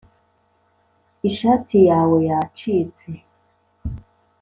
- ishati yawe yacitse